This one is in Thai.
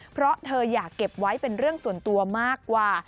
เพราะเธออยากเก็บไว้เป็นเรื่องส่วนตัวมากกว่า